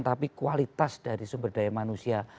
tapi kualitas dari sumber daya manusia